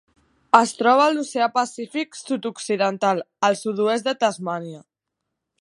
Es troba a l'Oceà Pacífic sud-occidental: el sud-oest de Tasmània.